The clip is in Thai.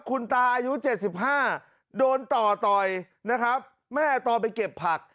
คุณตาอายุ๗๕โดนต่อต่อยนะครับแม่ตอนไปเก็บผัก